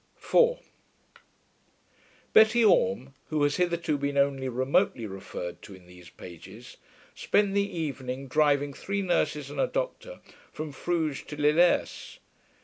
4 Betty Orme, who has hitherto been only remotely referred to in these pages, spent the evening driving three nurses and a doctor from Fruges to Lillers.